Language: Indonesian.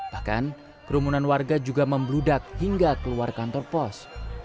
bahkan kerumunan warga juga membludak hingga keluar kantor pos